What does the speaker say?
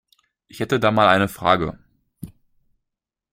Ich hätte da mal eine Frage.